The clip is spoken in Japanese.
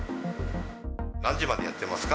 何時までやってますか？